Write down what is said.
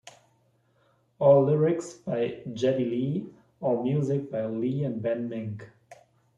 All lyrics by Geddy Lee, all music by Lee and Ben Mink.